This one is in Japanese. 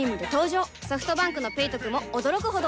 ソフトバンクの「ペイトク」も驚くほどおトク